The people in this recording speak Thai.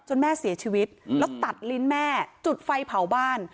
แม่เสียชีวิตแล้วตัดลิ้นแม่จุดไฟเผาบ้าน